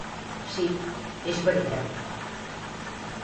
Sí, és veritat!